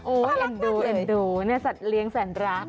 เอ็นดูเอ็นดูเนี่ยสัตว์เลี้ยงแสนรัก